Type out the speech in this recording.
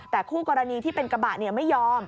แต่คู่กรณีที่เป็นกระบะไม่ยอม